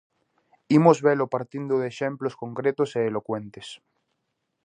Imos velo partindo de exemplos concretos e elocuentes.